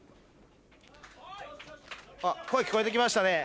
・声聞こえてきましたね。